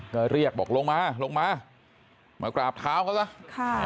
ก็เรียกบอกลงมาลงมามากราบเท้าเขาซะค่ะ